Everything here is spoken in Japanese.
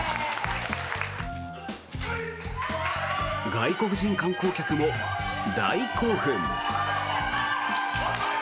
外国人観光客も大興奮。